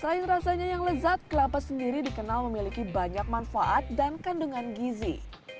selain rasanya yang lezat kelapa sendiri dikenal memiliki banyak manfaat dan kandungan gizi